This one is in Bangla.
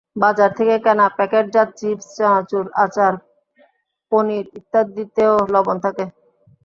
বাজার থেকে কেনা প্যাকেটজাত চিপস, চানাচুর, আচার, পনির ইত্যাদিতেও লবণ থাকে।